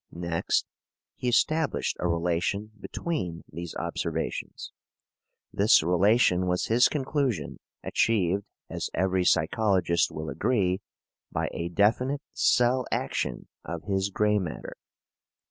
Next, he established a relation between these observations. This relation was his conclusion, achieved, as every psychologist will agree, by a definite cell action of his grey matter.